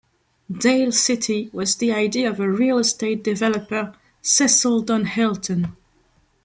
Dale City was the idea of a real estate developer, Cecil Don Hylton.